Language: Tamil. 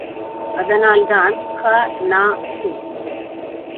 அதனால் தான் க.நா.சு.